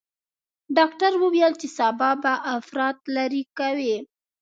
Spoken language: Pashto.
ډاکتر وويل چې سبا به اپرات لرې کوي.